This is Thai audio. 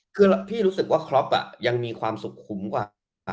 คือพี่รู้สึกว่าครอปยังมีความสุขคุ้มกว่า